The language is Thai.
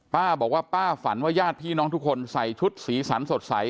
ป้าบอกว่าป้าฝันว่าญาติพี่น้องทุกคนใส่ชุดสีสันสดใส